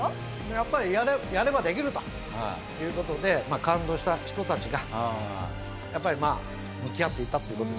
やっぱりやればできるという事で感動した人たちがやっぱり向き合っていったという事ですね。